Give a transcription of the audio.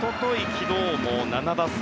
昨日も７打数